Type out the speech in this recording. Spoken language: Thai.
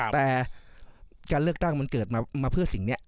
แต่การเลือกตั้งมันเกิดมาเพื่อสิ่งนี้